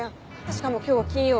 しかも今日は金曜。